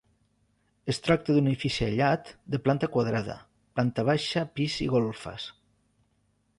Es tracta d'un edifici aïllat, de planta quadrada, planta baixa, pis i golfes.